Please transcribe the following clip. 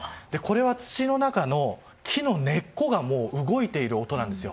これは、土の中の木の根っこが動いている音なんですよ。